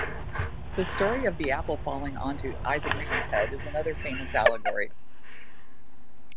The story of the apple falling onto Isaac Newton's head is another famous allegory.